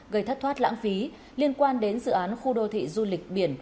gây thất thoát lãng phí liên quan đến dự án khu đô thị du lịch biển